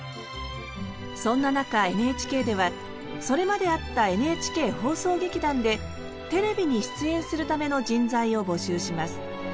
そんな中ＮＨＫではそれまであったＮＨＫ放送劇団でテレビに出演するための人材を募集します。